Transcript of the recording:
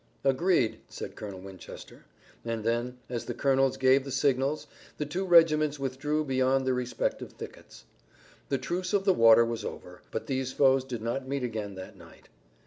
"Agreed," said Colonel Winchester, and then as the colonels gave the signals the two regiments withdrew beyond their respective thickets. The truce of the water was over, but these foes did not meet again that night.